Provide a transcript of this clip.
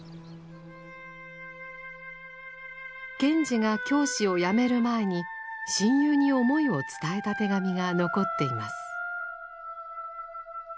賢治が教師をやめる前に親友に思いを伝えた手紙が残っています。